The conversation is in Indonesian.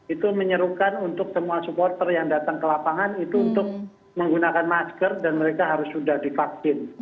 itu menyerukan untuk semua supporter yang datang ke lapangan itu untuk menggunakan masker dan mereka harus sudah divaksin